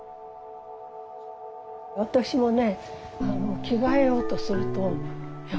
私もね